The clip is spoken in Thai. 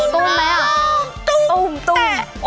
ตุ้มไหมอ่ะตุ้มตุ้มตุ้มตุ้ม